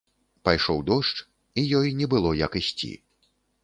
Пайшоў дождж, і ёй не было як ісці.